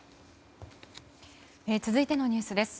続いてのニュースです。